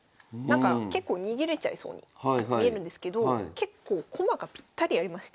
結構逃げれちゃいそうに見えるんですけど結構駒がぴったりありまして詰んじゃうんですよ。